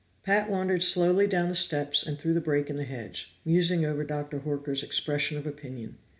Pat wandered slowly down the steps and through the break in the hedge, musing over Doctor Horker's expression of opinion.